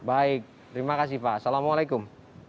baik terima kasih pak assalamualaikum